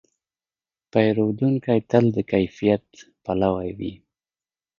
پیرودونکی تل د کیفیت پلوي وي.